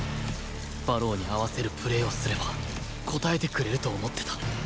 馬狼に合わせるプレーをすれば応えてくれると思ってた